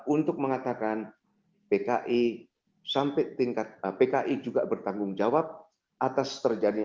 untuk mengatakan pki sampai tingkat pki juga bertanggung jawab atas terjadinya